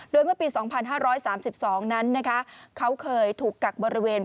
โดยเมื่อปี๒๕๓๒นั้นเขาเคยถูกกักบริเวณ